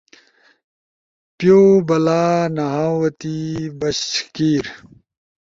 پیوبلا نہاؤتی، بشکیر